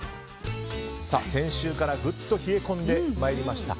先週からぐっと冷え込んでまいりました。